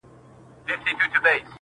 د ده سترګي سولې خلاصې ژوند یې سم سو-